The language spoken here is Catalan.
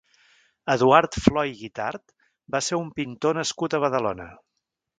Eduard Flò i Guitart va ser un pintor nascut a Badalona.